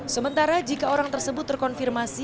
sementara jika orang tersebut terkonfirmasi